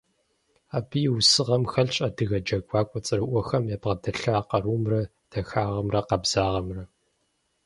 Абы и усыгъэм хэлъщ адыгэ джэгуакӀуэ цӀэрыӀуэхэм ябгъэдэлъа къарумрэ, дахагъымрэ, къабзагъэмрэ.